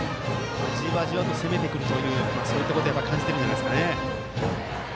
じわじわと攻めてくるといったことを感じているんじゃないんですか。